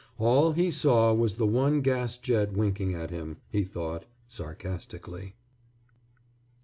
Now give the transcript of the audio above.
All he saw was the one gas jet winking at him, he thought, sarcastically.